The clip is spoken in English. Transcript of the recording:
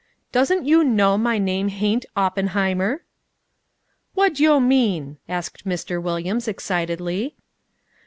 "Doesn't yo' know my name hain't Oppenheimer?" "Whad yo' mean?" asked Mr. Williams excitedly.